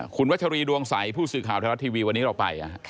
คุณวัชรีดวงใสผู้สื่อข่าวไทยรัฐทีวีวันนี้เราไป